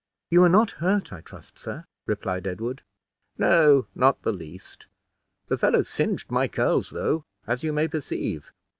"You are not hurt, I trust, sir?" replied Edward. "No, not the least; the fellow singed my curls though, as you may perceive.